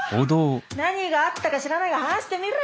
何があったか知らないが話してみろよ。